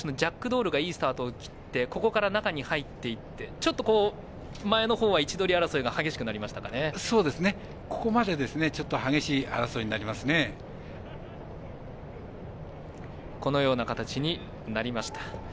ドールがいいスタートを切ってここから中に入っていってちょっと前のほうは位置取り争いがここまでこのような形になりました。